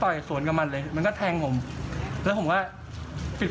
แล้วแล้วถึงเขาให้ให้หนูพาแฟนไปเขาอะไรเขารู้สาเหตุไหม